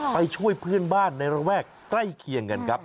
ไปช่วยเพื่อนบ้านในระแวกใกล้เคียงกันครับ